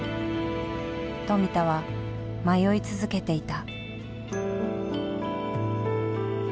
富田は迷い続けていた。